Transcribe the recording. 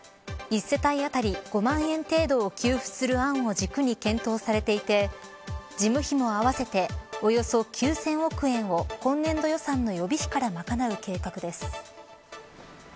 一世帯当たり５万円程度を給付する案を軸に検討されていて事務費も合わせておよそ９０００億円を今年度予算の予備費から賄う計画です。